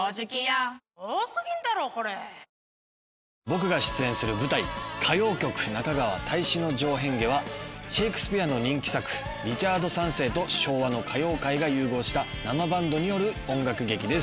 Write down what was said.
僕が出演する舞台『歌妖曲中川大志之丞変化』はシェイクスピアの人気作『リチャード三世』と昭和の歌謡界が融合した生バンドによる音楽劇です。